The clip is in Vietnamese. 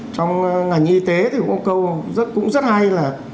trong ngành y tế thì có một câu cũng rất hay là